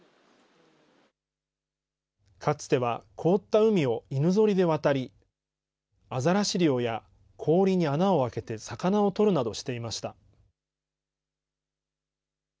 かつては凍った海を犬ぞりで渡り、アザラシ猟や氷に穴を開けて魚を取るなどしていました。